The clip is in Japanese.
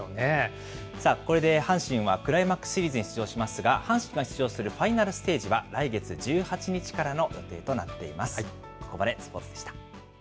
さあ、これで阪神はクライマックスシリーズに出場しますが、阪神が出場するファイナルステージは、来月１８日からの予定となっています。